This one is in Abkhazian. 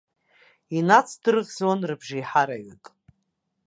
Инацдырӷзуан рыбжеиҳараҩык.